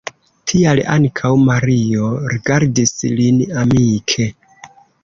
Tial ankaŭ Mario rigardis lin amike.